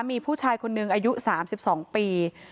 มีผู้ชายคนหนึ่งอายุสามสิบสองปี